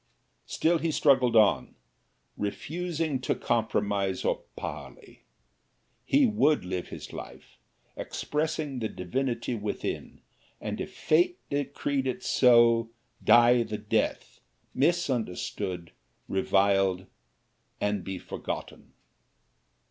Still he struggled on, refusing to compromise or parley he would live his life, expressing the divinity within, and if fate decreed it so, die the death, misunderstood, reviled, and be forgotten.